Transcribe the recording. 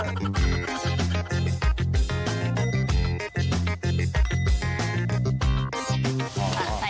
อ่าใส่นิดหน่อยนิดหน่อยค่ะ